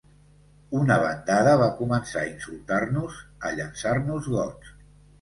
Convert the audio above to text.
Una bandada va començar a insultar-nos, a llançar-nos gots.